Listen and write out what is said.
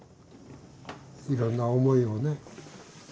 いろんな思いをね。